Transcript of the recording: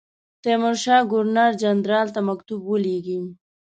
تیمورشاه ګورنر جنرال ته مکتوب ولېږی.